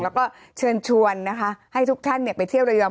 แล้วก็เชิญชวนนะคะให้ทุกท่านไปเที่ยวระยอง